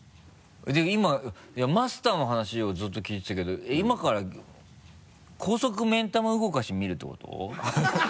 じゃあ今マスターの話をずっと聞いてたけど今から高速目ん玉動かし見るってこと？